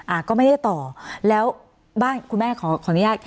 อ่าก็ไม่ได้ต่อแล้วบ้านคุณแม่ขอขออนุญาต